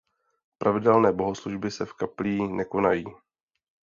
Pravidelné bohoslužby se v kaplí nekonají.